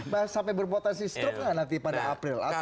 nah sampai berpotensi struk nggak nanti pada april